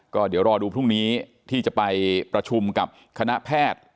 ก็เดี๋ยวรอดูพรุ่งนี้ที่จะไปประชุมกับคณะแพทย์